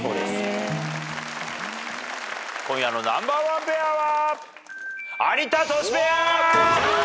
今夜のナンバーワンペアは。